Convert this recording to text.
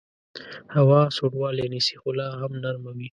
هوا سوړوالی نیسي خو لاهم نرمه وي